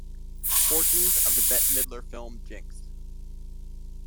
Portions of the Bette Midler film Jinxed!